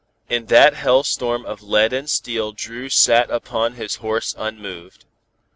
In that hell storm of lead and steel Dru sat upon his horse unmoved.